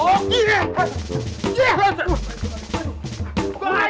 udah tertangkap sekarang lu